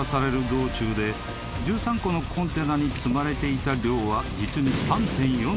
道中で１３個のコンテナに積まれていた量は実に３．４ｔ］